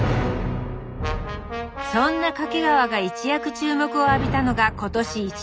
そんな掛川が一躍注目を浴びたのが今年１月。